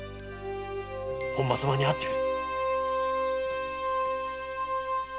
本間様に会ってくる。